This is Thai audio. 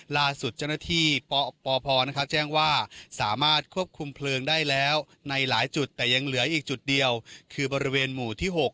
ล่าสุดเจ้าหน้าที่ปพแจ้งว่าสามารถควบคุมเพลิงได้แล้วในหลายจุดแต่ยังเหลืออีกจุดเดียวคือบริเวณหมู่ที่๖